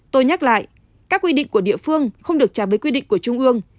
tôi nhắc lại các quy định của địa phương không được trả với quy định của trung ương